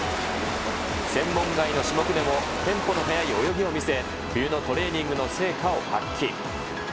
専門外の種目でもテンポの速い泳ぎを見せ、冬のトレーニングの成果を発揮。